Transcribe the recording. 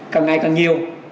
càng ngày càng nhiều